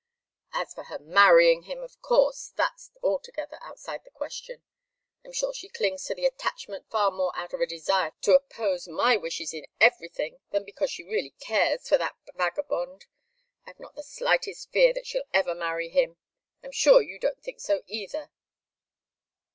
As for her marrying him, of course that's altogether outside the question. I'm sure she clings to the attachment far more out of a desire to oppose my wishes in everything, than because she really cares for that vagabond. I've not the slightest fear that she'll ever marry him. I'm sure you don't think so, either."